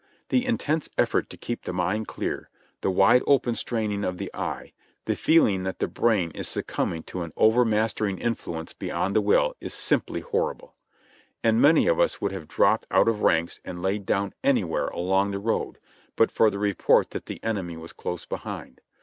The intense effort to keep the mind clear, the wide open straining of the eye, the feeling that the brain is succumbing to an overmaster ing influence beyond the will, is simply horrible ; and many of us would have dropped out of ranks and laid down anywhere along the road, but for the report that the enemy was close behind.